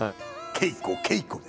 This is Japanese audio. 稽古稽古で。